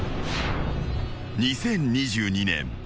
［２０２２年。